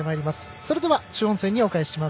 それでは主音声にお返しします。